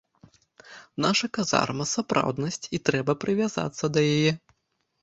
Наша казарма сапраўднасць, і трэба прывязацца да яе.